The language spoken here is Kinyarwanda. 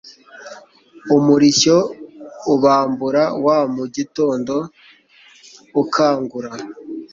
Umurishyo Ubambura Wa mu gitondo, ukangura